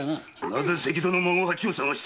なぜ関戸の孫八を捜している！